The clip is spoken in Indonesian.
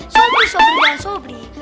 sobri sobri jangan sobri